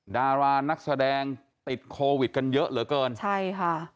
ดารานักแสดงติดโควิดกันเยอะเหลือเกินใช่ค่ะ